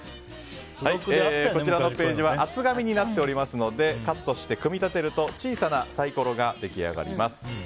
こちらのページは厚紙になっておりますのでカットして組み立てると小さなサイコロが出来上がります。